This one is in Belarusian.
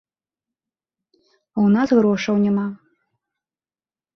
А ў нас грошаў няма.